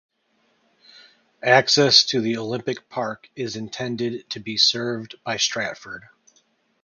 Access to the Olympic Park is intended to be served by Stratford.